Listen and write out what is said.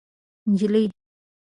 نجلۍ